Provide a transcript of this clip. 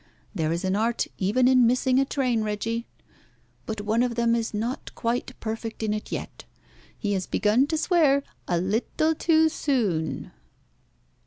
There is an art even in missing a train, Reggie. But one of them is not quite perfect in it yet. He has begun to swear a little too soon!"